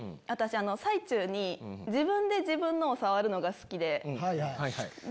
私最中に自分で自分のを触るのが好きで。